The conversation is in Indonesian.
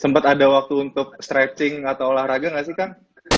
sempat ada waktu untuk stretching atau olahraga nggak sih kang